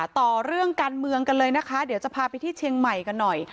ต่อเรื่องการเมืองกันเลยนะคะเดี๋ยวจะพาไปที่เชียงใหม่กันหน่อย